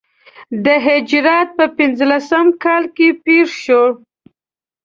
د هجرت په پنځه لسم کال کې پېښ شو.